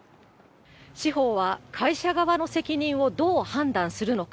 司法は会社側の責任をどう判断するのか。